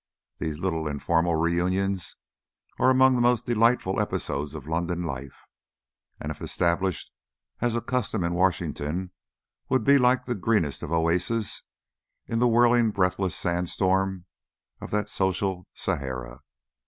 These little informal reunions are among the most delightful episodes of London life, and if established as a custom in Washington would be like the greenest of oases in the whirling breathless sandstorms of that social Sahara.